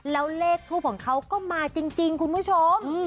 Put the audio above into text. แล้วเลขทูปของเขาก็มาจริงคุณผู้ชม